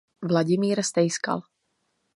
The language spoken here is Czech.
Vladimír Stejskal.